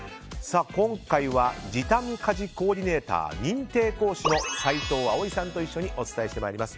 今回は時短家事コーディネーター認定講師のサイトウアオイさんと一緒にお伝えしてまいります。